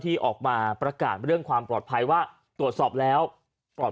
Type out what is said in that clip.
ที่ออกมาประกาศเรื่องความปลอดภัยว่าตรวจสอบแล้วปลอด